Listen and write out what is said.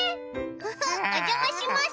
「フフッおじゃまします」。